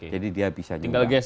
jadi dia bisa juga